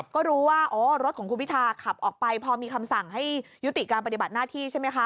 ก็รู้ว่ารถของคุณพิทาขับออกไปพอมีคำสั่งให้ยุติการปฏิบัติหน้าที่ใช่ไหมคะ